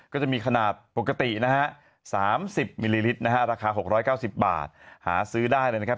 ก็จะมีขนาดปกตินะฮะ๓๐มิลลิลิตรนะฮะราคา๖๙๐บาทหาซื้อได้เลยนะครับ